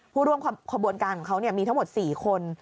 ผู้ร่วมขบวนการของเขามีทั้งหมด๔คน